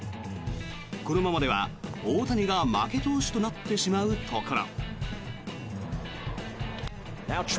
このままでは大谷が負け投手となってしまうところ。